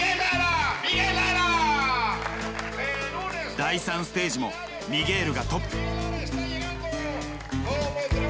第３ステージもミゲールがトップ。